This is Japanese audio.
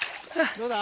どうだ？